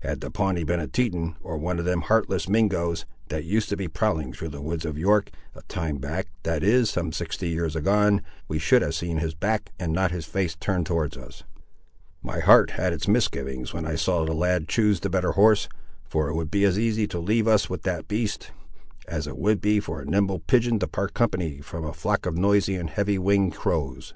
Had the Pawnee been a Teton, or one of them heartless Mingoes, that used to be prowling through the woods of York, a time back, that is, some sixty years agone, we should have seen his back and not his face turned towards us. My heart had its misgivings when I saw the lad choose the better horse, for it would be as easy to leave us with that beast, as it would for a nimble pigeon to part company from a flock of noisy and heavy winged crows.